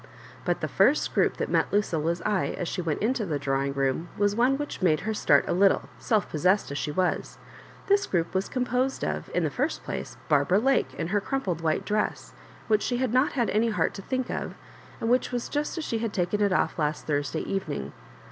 But the first group that met Lucilla's eye as she went into the drawing room was one which made her start a little, self possessed as she was. This igroup was composed of| in the first place, Barbara Ijake in her crampled white dress, which she had not had any heart to think of| and which was just as she had taken it off last Thursday even ing.